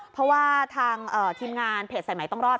เพราะว่าทางทีมงานเพจสายใหม่ต้องรอด